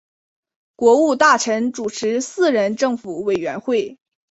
国务大臣主持四人政府委员会。